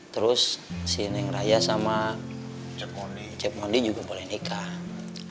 terus si neng raya sama cep mondi juga boleh nikah